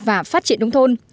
và phát triển đông thôn